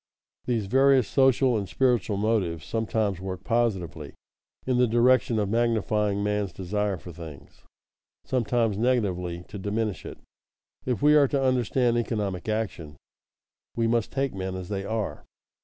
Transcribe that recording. _ These various social and spiritual motives sometimes work positively, in the direction of magnifying man's desire for things; sometimes negatively, to diminish it. If we are to understand economic action, we must take men as they are.